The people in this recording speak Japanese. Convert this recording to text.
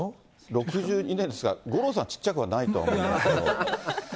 ６２年ですから、五郎さん、ちっちゃくはないと思いますけど。